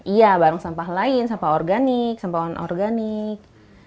iya bareng sampah lain sampah organik sampah organik